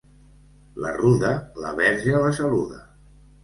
La ruda, la verge la saluda.